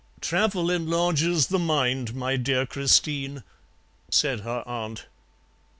"'Travel enlarges the mind, my dear Christine,' said her aunt.